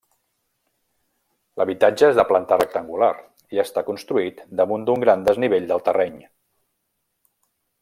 L'habitatge és de planta rectangular i està construït damunt d'un gran desnivell del terreny.